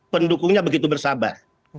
pendukungnya begitu bersabar